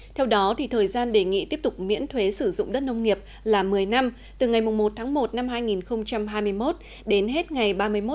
theo đó thời gian đề nghị tiếp tục miễn thuế sử dụng đất nông nghiệp là một mươi năm từ ngày một một hai nghìn hai mươi một đến hết ngày ba mươi một một mươi hai hai nghìn ba mươi